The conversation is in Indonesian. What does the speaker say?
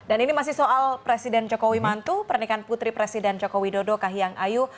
dan ini masih soal presiden jokowi mantu pernikahan putri presiden jokowi dodo kahiyang ayu